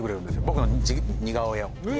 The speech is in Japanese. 僕の似顔絵を。